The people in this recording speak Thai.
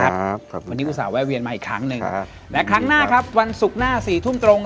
วันนี้อุตส่าหแวะเวียนมาอีกครั้งหนึ่งและครั้งหน้าครับวันศุกร์หน้า๔ทุ่มตรง